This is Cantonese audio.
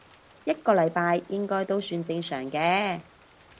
一個禮拜應該都算正常嘅